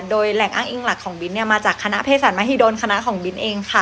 โดยแหล่งอ้างอิงหลักของบินเนี่ยมาจากคณะเศษสารมหิดลคณะของบินเองค่ะ